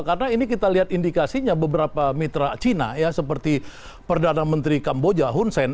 karena ini kita lihat indikasinya beberapa mitra china seperti perdana menteri kamboja hun sen